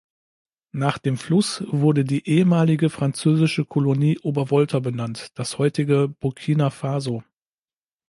Nach dem Fluss wurde die ehemalige französische Kolonie Obervolta benannt, das heutige Burkina Faso.